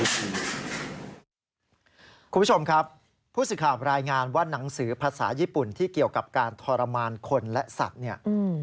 คุณผู้ชมครับผู้สื่อข่าวรายงานว่าหนังสือภาษาญี่ปุ่นที่เกี่ยวกับการทรมานคนและสัตว์เนี่ย